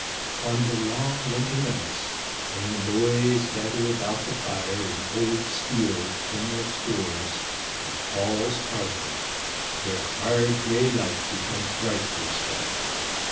On the long winter nights, when the "boys" gather about the fire in Old Steele's General Stores at Hall's Harbor, their hard gray life becomes bright for a spell.